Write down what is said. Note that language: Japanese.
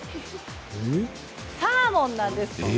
サーモンなんです。